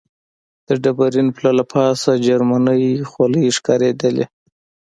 د ډبرین پله له پاسه جرمنۍ خولۍ ښکارېدلې.